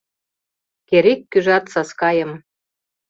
Керек-кӧжат Саскайым